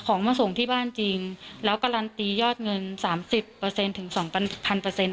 ของมาส่งที่บ้านจริงแล้วการันตียอดเงิน๓๐ถึง๒๐๐๐อ่ะค่ะ